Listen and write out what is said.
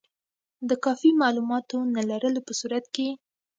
د کافي معلوماتو نه لرلو په صورت کې.